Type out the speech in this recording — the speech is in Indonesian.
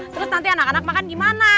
terus nanti anak anak makan gimana